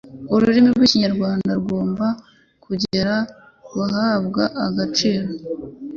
ururimi rwi Kinyarwanda rugomba kongera guhabwa agaciro,